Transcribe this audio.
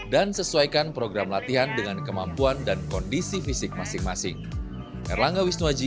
dan sesuaikan program latihan dengan kemampuan dan kondisi fisik masing masing